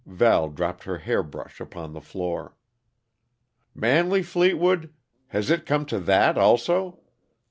Val dropped her hairbrush upon the floor. "Manley Fleetwood! Has it come to that, also?